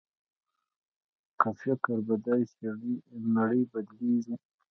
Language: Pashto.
که فکر بدل شي، نړۍ بدلېږي.